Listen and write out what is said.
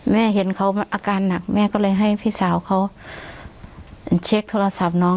เห็นเขาอาการหนักแม่ก็เลยให้พี่สาวเขาเช็คโทรศัพท์น้อง